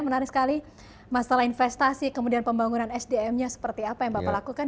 menarik sekali masalah investasi kemudian pembangunan sdm nya seperti apa yang bapak lakukan